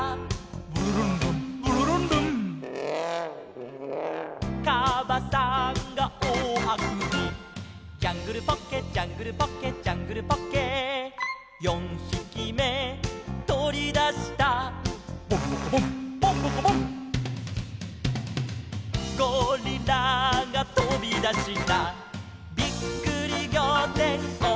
「ブルルンルンブルルンルン」「かばさんがおおあくび」「ジャングルポッケジャングルポッケ」「ジャングルポッケ」「四ひきめとり出した」「ボンボコボンボンボコボン」「ゴリラがとび出した」「びっくりぎょうてんおおさわぎ」